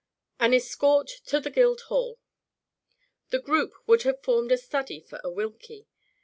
AN ESCORT TO THE GUILDHALL. The group would have formed a study for a Wilkie.